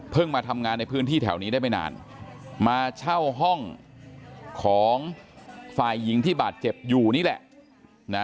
มาทำงานในพื้นที่แถวนี้ได้ไม่นานมาเช่าห้องของฝ่ายหญิงที่บาดเจ็บอยู่นี่แหละ